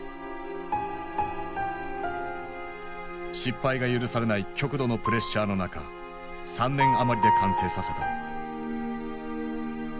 失敗が許されない極度のプレッシャーの中３年余りで完成させた。